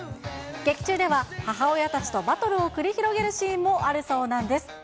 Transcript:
劇中では、母親たちとバトルを繰り広げるシーンもあるそうなんです。